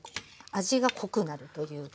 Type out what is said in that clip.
味が濃くなるというか。